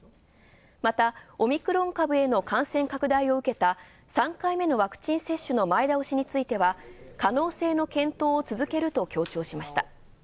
また、オミクロン株への感染拡大を受けた３回目のワクチン接種の前倒しについては、可能性の検討を続けると強調しました。